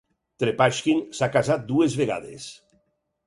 Trepashkin s'ha casat dues vegades.